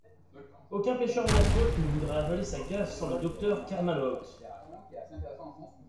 Aucun pêcheur de la côte ne voudrait avaler sa gaffe sans le docteur Kermalahault.